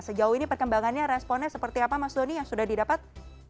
sejauh ini perkembangannya responnya seperti apa mas doni yang sudah didapat